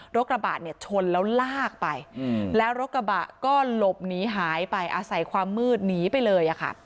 กระบะเนี่ยชนแล้วลากไปแล้วรถกระบะก็หลบหนีหายไปอาศัยความมืดหนีไปเลยค่ะ